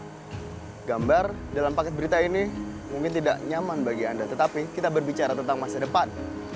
jadi gambar dalam paket berita ini mungkin tidak nyaman bagi anda tetapi kita berbicara tentang masa depan